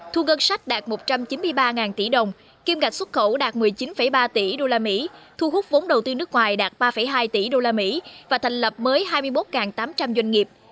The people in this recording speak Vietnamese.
thu ngân sách đạt một trăm chín mươi ba tỷ đồng kiêm gạch xuất khẩu đạt một mươi chín ba tỷ usd thu hút vốn đầu tư nước ngoài đạt ba hai tỷ usd và thành lập mới hai mươi một tám trăm linh doanh nghiệp